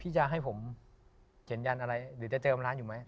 จะให้ผมเขียนยันอะไรหรือจะเจิมร้านอยู่ไหม